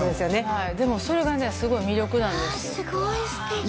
はいでもそれがねすごい魅力なんですわあ